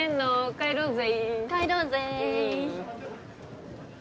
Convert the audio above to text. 帰ろうぜい。